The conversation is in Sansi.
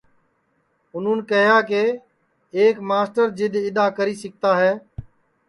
اُنُہون کیہیا کہ ایک مسٹر جِدؔ اِدؔا کری سِکتا ہے